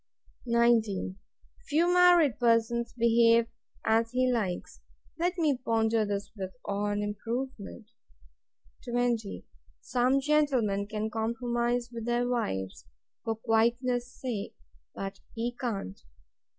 19. Few married persons behave as he likes. Let me ponder this with awe and improvement. 20. Some gentlemen can compromise with their wives, for quietness sake; but he can't.